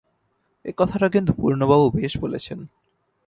এ কথাটা কিন্তু পূর্ণবাবু বেশ বলেছেন।